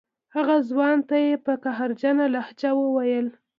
هغه ځوان ته یې په قهرجنه لهجه وویل.